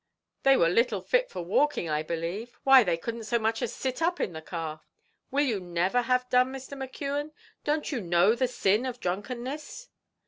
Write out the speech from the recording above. "They were little fit for walking, I believe; why they couldn't so much as sit up in the car. Will you never have done, Mr. McKeon; don't you know the sin of drunkenness?"